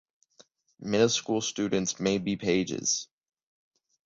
Middle school students may be pages.